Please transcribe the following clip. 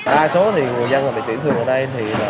đa số người dân bị tiễn thương ở đây